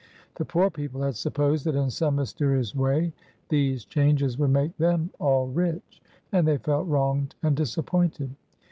The poor people had supposed that in some mysterious way these changes would make them all rich; and they felt wronged and disappointed.